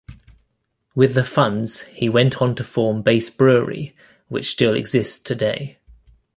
With the funds he went on to form Bass Brewery which still exists today.